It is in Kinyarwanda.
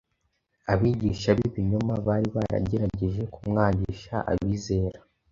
Abigisha b’ibinyoma bari baragerageje kumwangisha abizera